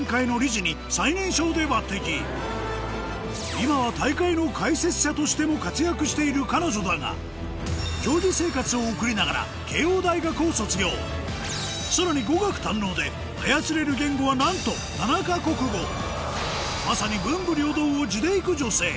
今は大会の解説者としても活躍している彼女だが競技生活を送りながらさらに操れる言語はなんとまさに文武両道を地でいく女性